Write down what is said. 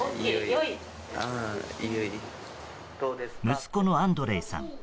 息子のアンドレイさん